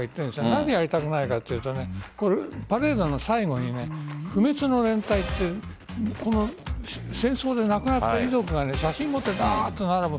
なぜやりたくないかというとパレードの最後に不滅の連隊という戦争で亡くなった遺族が写真を持って並ぶ。